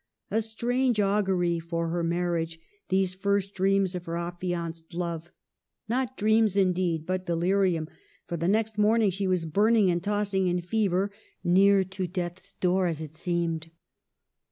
A strange augury for her mar riage, these first dreams of her affianced love — 2$Q EMILY BRONTE. not dreams, indeed, but delirium ; for the next morning she was burning and tossing in fever, near to death's door as it seemed.